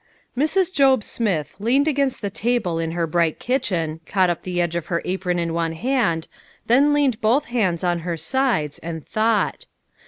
~]V /TRS. JOB SMITH leaned against the ta >* ble in her bright kitchen, caught up the edge of her apron in one hand, then leaned both hands on her sides, and thought.